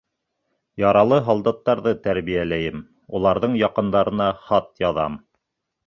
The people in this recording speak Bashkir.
Яралы һалдаттарҙы тәрбиәләйем, уларҙың яҡындарына хат яҙам.